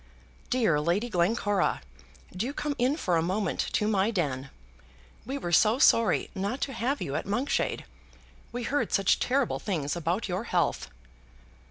"Dear Lady Glencora, do come in for a moment to my den. We were so sorry not to have you at Monkshade. We heard such terrible things about your health."